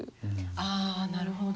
ああなるほど。